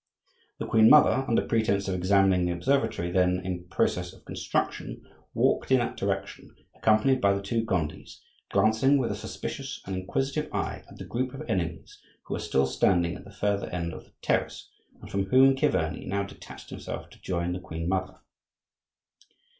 The queen mother, under pretence of examining the observatory then in process of construction, walked in that direction accompanied by the two Gondis, glancing with a suspicious and inquisitive eye at the group of enemies who were still standing at the farther end of the terrace, and from whom Chiverni now detached himself to join the queen mother.